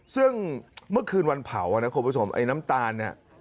ซึ่งเมื่อคืนวันเผาอ่ะนะคุณผู้ชมไอ้น้ำตาลเนี่ย